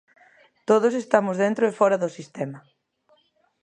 Todos estamos dentro e fóra do sistema.